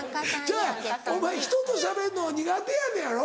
ちゃうお前人としゃべるの苦手やのやろ？